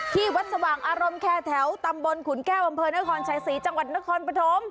ที่วัดสว่างอารมณ์แคร์แถวตำบลขุนแก้วอำเภอนครชัยศรีจังหวัดนครปฐม